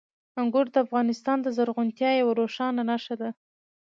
انګور د افغانستان د زرغونتیا یوه روښانه نښه ده.